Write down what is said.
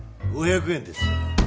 ５００円です。